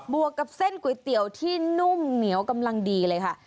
วกกับเส้นก๋วยเตี๋ยวที่นุ่มเหนียวกำลังดีเลยค่ะ